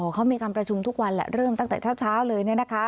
เขามีการประชุมทุกวันแหละเริ่มตั้งแต่เช้าเลย